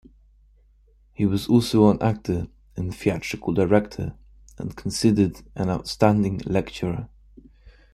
He was also an actor and theatrical director, and considered an outstanding lecturer.